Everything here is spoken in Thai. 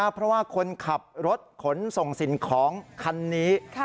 เพราะว่าคนขับรถขนส่งสิ่งของคันนี้